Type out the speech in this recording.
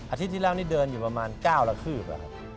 อาทิตย์ที่แล้วนี่เดินอยู่ประมาณ๙ละคืบ